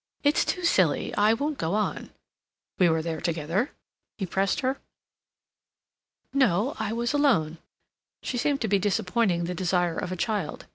"It's too silly—I won't go on." "We were there together?" he pressed her. "No. I was alone." She seemed to be disappointing the desire of a child.